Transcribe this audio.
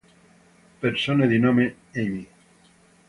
Persone di nome Amy